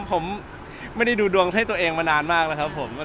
ผมไม่ได้ดูดวงให้ตัวเองมานานมากแล้วครับผม